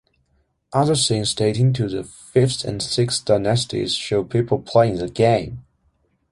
Other scenes dating to the Fifth and Sixth Dynasties show people playing the game.